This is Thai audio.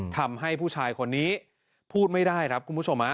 ทำให้ผู้ชายคนนี้พูดไม่ได้ครับคุณผู้ชม